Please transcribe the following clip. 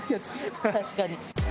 確かに。